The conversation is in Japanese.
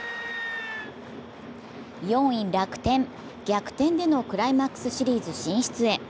４位・楽天、逆転でのクライマックスシリーズ進出へ。